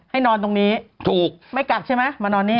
ให้นอนตรงนี้ไม่กักใช่ไหมมานอนเนี่ย